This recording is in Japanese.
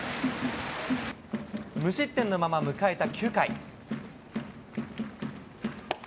無失点のまま迎えた